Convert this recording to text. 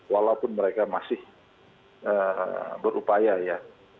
walaupun mereka masih berupaya ya